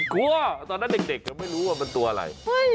กลัวตอนนั้นเด็กยังไม่รู้ว่ามันตัวอะไร